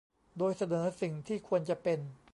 โดยเสนอสิ่งที่ควรจะเป็น